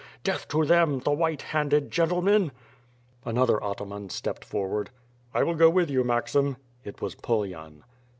Death to them, the white handed gentlemen!" • Another ataman stepped forward. "I will go with you, Maxim." It was Pulyan.